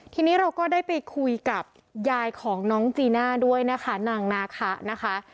ทีนี้เราก็ได้ไปคุยกับยายของน้องจีน่าด้วยนะคะนางนาคะนะคะ